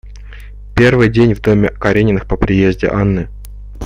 Первый день в доме Карениных по приезде Анны.